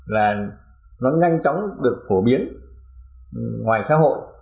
là nó nhanh chóng được phổ biến ngoài xã hội